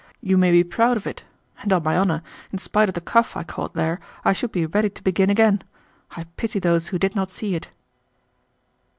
You may be proud of it! And on my honor, in spite of the cough I caught there, I should be ready to begin again. I pity those who did not see it."